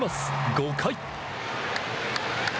５回。